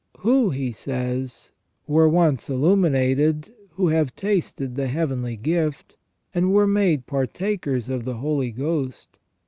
" Who," he says, "were once illuminated, who have tasted the heavenly gift, and were made partakers of the Holy Ghost, have tasted the * S.